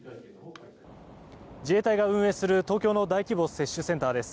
自衛隊が運営する東京の大規模接種センターです。